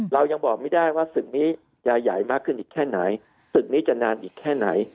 เรายังบอกไม่ได้ว่าศึกนี้จะใหญ่มากขึ้นอีกแค่ไหนศึกนี้จะนานอีกแค่ไหน